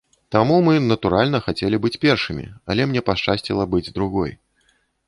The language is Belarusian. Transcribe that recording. Таму мы, натуральна, хацелі быць першымі, але мне пашчасціла быць другой.